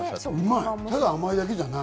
ただ甘いだけじゃない。